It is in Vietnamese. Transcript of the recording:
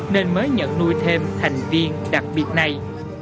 nên mới nhận nuôi thêm thành viên đặc biệt này